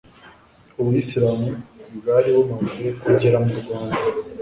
ubuyisilamu bwari bumaze kugera mu rwanda